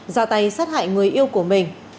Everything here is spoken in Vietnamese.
ra tay sát hại người yêu của mình